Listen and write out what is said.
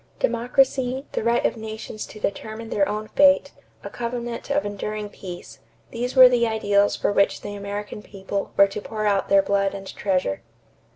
Democracy, the right of nations to determine their own fate, a covenant of enduring peace these were the ideals for which the American people were to pour out their blood and treasure.